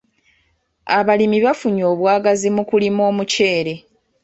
Abalimi bafunye obwagazi mu kulima omuceere.